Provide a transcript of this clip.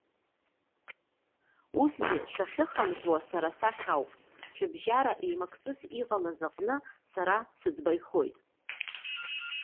Усгьы шәахьыхынҳәуа сара сахь ауп. Шәыбжьара еимактәыс иҟалаз аҟны сара сыӡбаҩхоит.